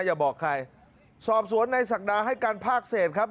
อย่าบอกใครสอบสวนในศักดาให้การภาคเศษครับ